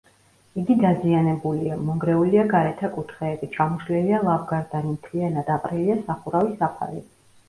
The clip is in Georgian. იგი დაზიანებულია: მონგრეულია გარეთა კუთხეები, ჩამოშლილია ლავგარდანი, მთლიანად აყრილია სახურავის საფარი.